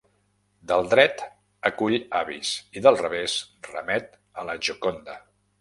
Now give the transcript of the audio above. Del dret acull avis i del revés remet a la Gioconda.